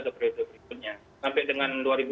ke periode berikutnya sampai dengan